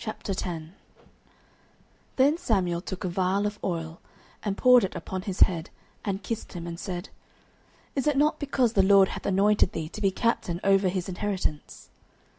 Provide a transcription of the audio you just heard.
09:010:001 Then Samuel took a vial of oil, and poured it upon his head, and kissed him, and said, Is it not because the LORD hath anointed thee to be captain over his inheritance?